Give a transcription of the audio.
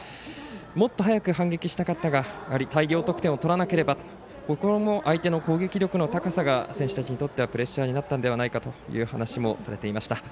もっと早く反撃したかったがやはり大量得点を取らなければ相手の攻撃力の高さが選手たちにとってはプレッシャーになったんではないかという話もされていました。